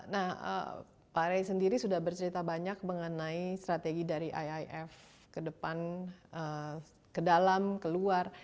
nah pak rey sendiri sudah bercerita banyak mengenai strategi dari iif ke depan ke dalam keluar